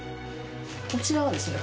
こちらはですね